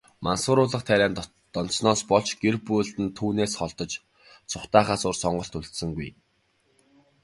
Мансууруулах тарианд донтсоноос болж, гэр бүлд нь түүнээс холдож, зугтаахаас өөр сонголт үлдсэнгүй.